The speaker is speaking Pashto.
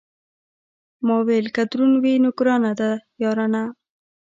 ما ویل که دروند وي، نو ګرانه ده یارانه.